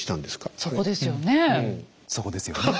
そこですよね。